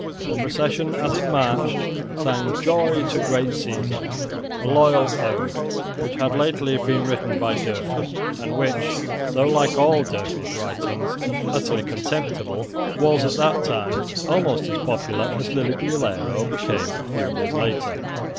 The procession, as it marched, sang "Joy to Great Caesar," a loyal ode, which had lately been written by Durfey, and which, though like all Durfey's writings, utterly contemptible, was, at that time, almost as popular as Lillibullero became a few years later.